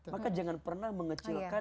maka jangan pernah mengecilkan